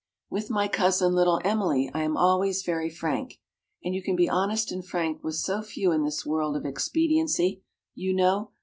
With my cousin, Little Emily, I am always very frank and you can be honest and frank with so few in this world of expediency, you know!